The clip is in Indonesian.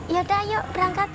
ya udah ayo berangkat